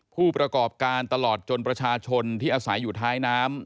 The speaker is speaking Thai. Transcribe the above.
ผู้ประกอบการตลอดจนประชาชนที่อาศัยอยู่ท้ายน้ำ